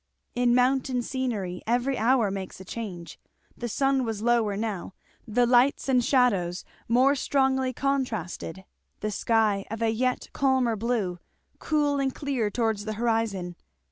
In mountain scenery every hour makes a change. The sun was lower now, the lights and shadows more strongly contrasted, the sky of a yet calmer blue, cool and clear towards the horizon.